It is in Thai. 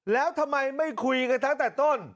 แล้วทำไมไม่คุยกันตั้งแต่ต้น